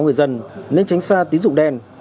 người dân nên tránh xa tín dụng đen